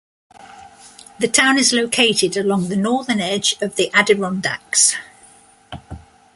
The town is located along the northern edge of the Adirondacks.